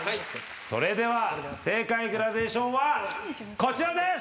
それでは正解グラデーションはこちらです！